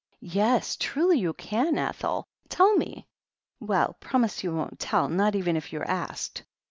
"Yes, truly you can, Ethel. Tell me." "Well, promise you won't tell. Not even if you're asked?"